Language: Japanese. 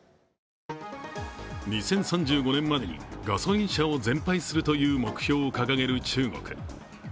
２０３５年までにガソリン車を全廃するという目標を掲げる中国。